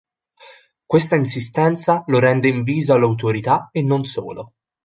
Questa insistenza lo rende inviso alle autorità e non solo.